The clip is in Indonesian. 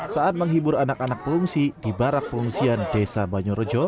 saat menghibur anak anak pengungsi di barak pengungsian desa banyorejo